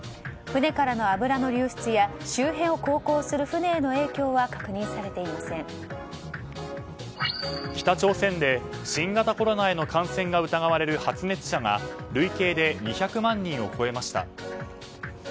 船からの油の流出や周辺を航行する船への影響は北朝鮮で新型コロナへの感染が疑われる発熱者が累計で２００万人を超えました。